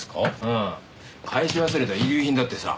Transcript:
うん返し忘れた遺留品だってさ。